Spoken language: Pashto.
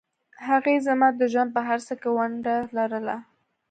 هغې زما د ژوند په هرڅه کې ونډه لرله